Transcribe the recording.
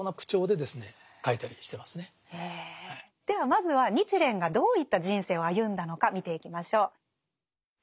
ではまずは日蓮がどういった人生を歩んだのか見ていきましょう。